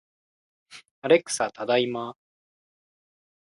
アレクサ、ただいま